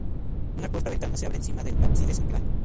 Una cuarta ventana se abre encima del ábside central.